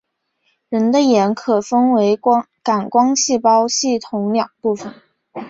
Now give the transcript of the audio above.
人的眼可分为感光细胞系统两部分。